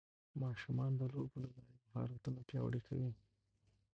ماشومان د لوبو له لارې مهارتونه پیاوړي کوي